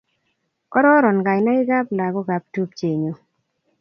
Kororon kainaigap lagok ap tupchennyu.